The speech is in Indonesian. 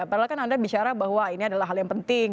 padahal kan anda bicara bahwa ini adalah hal yang penting